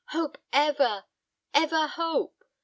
"Hope ever! ever hope!